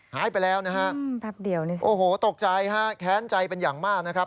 หายไปแล้วนะครับโอ้โฮตกใจครับแค้นใจเป็นอย่างมากนะครับ